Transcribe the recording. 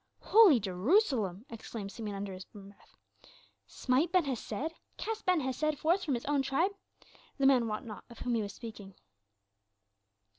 '" "Holy Jerusalem!" exclaimed Simeon under his breath. "Smite Ben Hesed? Cast Ben Hesed forth from his own tribe? The man wot not of whom he was speaking."